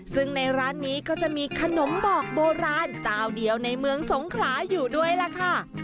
ซึ่งในร้านนี้ก็จะมีขนมบอกโบราณเจ้าเดียวในเมืองสงขลาอยู่ด้วยล่ะค่ะ